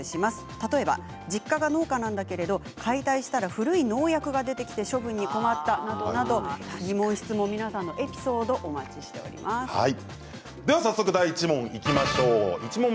例えば、実家が農家なんだけれど解体したら古い農薬が出てきて処分に困ったなどなど疑問、質問皆さんのエピソードをお待ちして早速、第１問いきましょう。